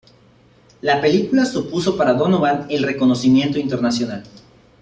La película supuso para Donovan el reconocimiento internacional.